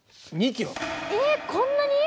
えこんなに？